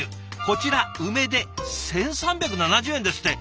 こちら梅で１，３７０円ですって。